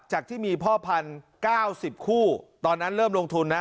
จากที่มีพ่อพันธุ์๙๐คู่ตอนนั้นเริ่มลงทุนนะ